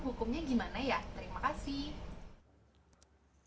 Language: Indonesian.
hukumnya gimana ya terima kasih